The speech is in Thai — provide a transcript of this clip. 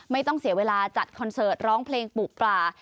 ไม่ต้องเสียเวลาจัดคอนเสิร์ตร้องเพลงปลูกปลา